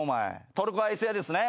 トルコアイス屋ですね。